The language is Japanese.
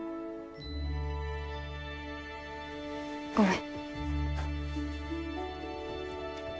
ごめん。